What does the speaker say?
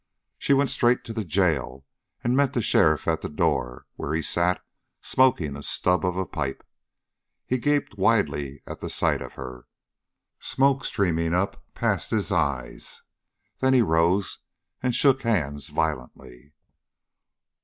She went straight to the jail and met the sheriff at the door, where he sat, smoking a stub of a pipe. He gaped widely at the sight of her, smoke streaming up past his eyes. Then he rose and shook hands violently.